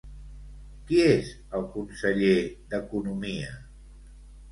Qui és el conseller d'Economia?